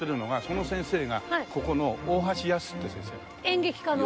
演劇科の？